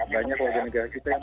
banyak warga negara kita yang